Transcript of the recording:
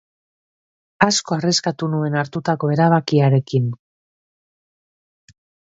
Asko arriskatu nuen hartutako erabakiarekin.